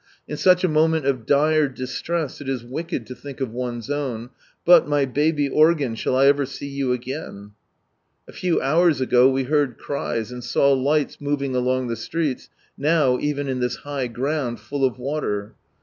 In such a moment of dire distress it is wicked lo think of one's own,— but, my baby organ, shall I ever see you again ? A few hours ago we heard cries and saw lights moving along the streets, now even in this high ground, full of water.